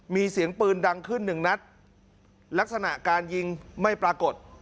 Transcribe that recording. มีเสียงปืนดังขึ้นหนึ่งนัดลักษณะการยิงไม่ปรากฏ